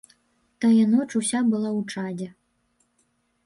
Тая ноч уся была ў чадзе.